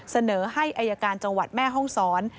เสนอให้อายการจังหวัดแม่ห้องศร